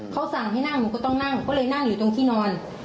เขาสั่งให้นั่งหนูก็ต้องนั่งก็เลยนั่งอยู่ตรงที่นอน